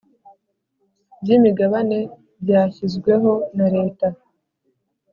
By imigabane byashyizweho na leta